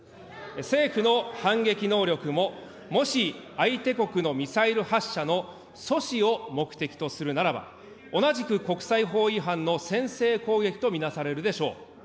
政府の反撃能力も、もし相手国のミサイル発射の阻止を目的とするならば、同じく国際法違反の先制攻撃とみなされるでしょう。